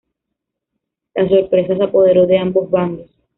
La sorpresa se apoderó de ambos bandos.